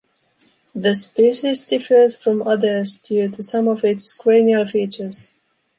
The species differs from others due to some of its cranial features.